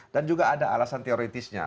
dan juga ada alasan teoritisnya